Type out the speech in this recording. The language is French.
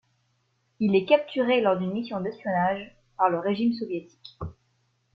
Il est capturé lors d'une mission d'espionnage par le régime Soviétique.